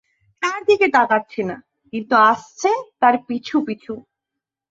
তার দিকে তাকাচ্ছে না, কিন্তু আসছে তার পিছু পিছু।